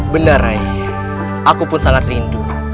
benar rai aku pun sangat rindu